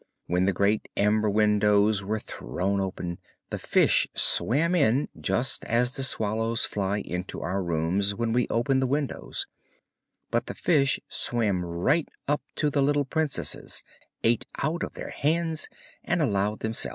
When the great amber windows were thrown open the fish swam in, just as the swallows fly into our rooms when we open the windows, but the fish swam right up to the little princesses, ate out of their hands, and allowed themselves to be patted.